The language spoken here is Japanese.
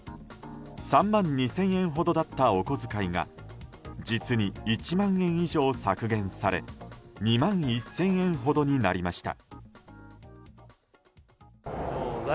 ３万２０００円ほどだったお小遣いが実に１万円以上削減され２万１０００円ほどになりました。